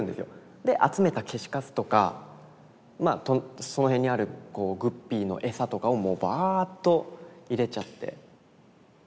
で集めた消しかすとかまあその辺にあるグッピーの餌とかをもうバーッと入れちゃって。